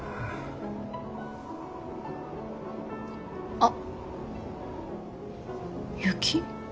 あっ雪？